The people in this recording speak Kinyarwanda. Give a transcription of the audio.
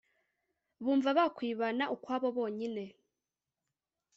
bumva bakwibana ukwabo bonyine